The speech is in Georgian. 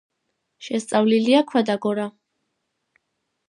შესწავლილია ქვედა გორა.